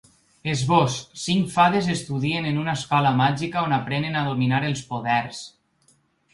Esbós: Cinc fades estudien en una escola màgica on aprenen a dominar els poders.